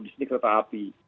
di sini kereta api